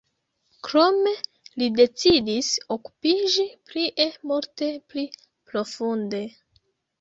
Krome li decidis okupiĝi prie multe pli profunde.